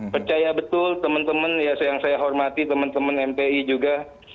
percaya betul teman teman yang saya hormati teman teman mpi juga